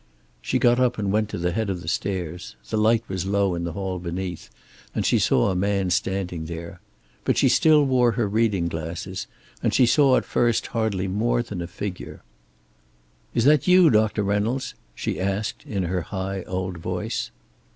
She got up and went to the head of the stairs. The light was low in the hall beneath, and she saw a man standing there. But she still wore her reading glasses, and she saw at first hardly more than a figure. "Is that you, Doctor Reynolds?" she asked, in her high old voice.